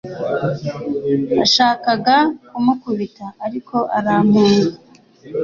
Nashakaga kumukubita ariko arampunga